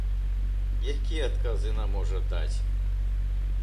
Які адказ яна можа даць?